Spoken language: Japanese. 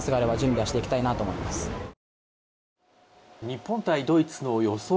日本対ドイツの予想